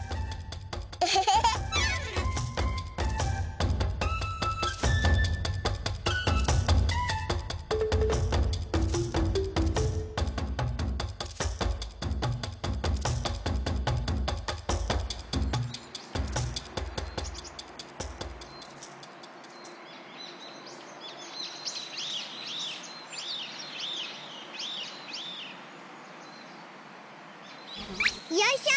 エヘヘヘ。よいしょ！